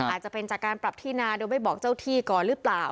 อาจจะเป็นจากการปรับที่นาโดยไม่บอกเจ้าที่ก่อนหรือเปล่า